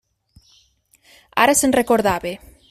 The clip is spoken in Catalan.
Ara se'n recordava.